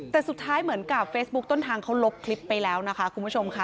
แต่สุดท้ายเหมือนกับเฟซบุ๊คต้นทางเขาลบคลิปไปแล้วนะคะคุณผู้ชมค่ะ